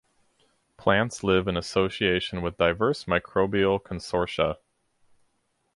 Plants live in association with diverse microbial consortia.